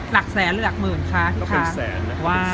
หลักแสนหรือหลักหมื่นคะ